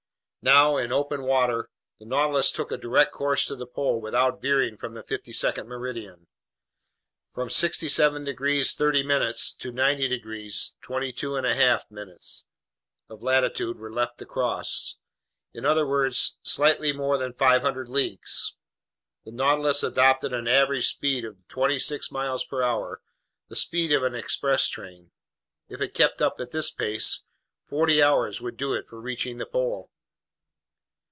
Now in open water, the Nautilus took a direct course to the pole without veering from the 52nd meridian. From 67 degrees 30' to 90 degrees, twenty two and a half degrees of latitude were left to cross, in other words, slightly more than 500 leagues. The Nautilus adopted an average speed of twenty six miles per hour, the speed of an express train. If it kept up this pace, forty hours would do it for reaching the pole.